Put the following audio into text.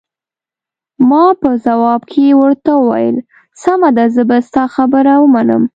ما په ځواب کې ورته وویل: سمه ده، زه به ستا خبره ومنم.